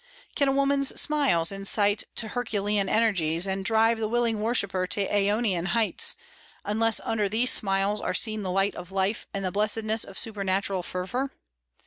Can a woman's smiles incite to Herculean energies, and drive the willing worshipper to Aönian heights, unless under these smiles are seen the light of life and the blessedness of supernatural fervor?